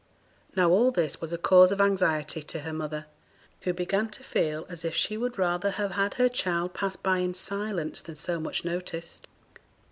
Now all this was a cause of anxiety to her mother, who began to feel as if she would rather have had her child passed by in silence than so much noticed.